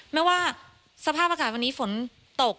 ไม่ว่าสภาพอากาศวันนี้ฝนตก